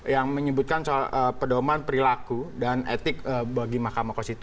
yang menyebutkan soal pendauman perilaku dan etik bagi mk